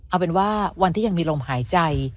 เอาเป็นว่าวันที่ยังมีลมหายใจ